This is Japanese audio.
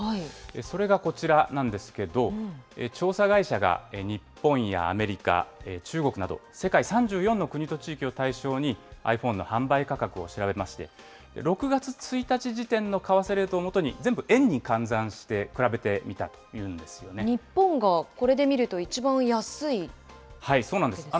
それがこちらなんですけど、調査会社が、日本やアメリカ、中国など世界３４の国と地域を対象に、ｉＰｈｏｎｅの販売価格を調べまして、６月１日時点の為替レートを基に全部円に換算して、比べてみたと日本がこれで見ると一番安いそうなんです。